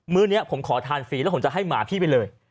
ื้อนี้ผมขอทานฟรีแล้วผมจะให้หมาพี่ไปเลย